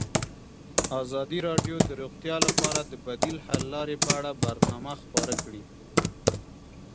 ازادي راډیو د روغتیا لپاره د بدیل حل لارې په اړه برنامه خپاره کړې.